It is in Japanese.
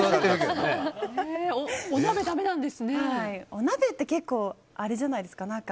お鍋って結構あれじゃないですか。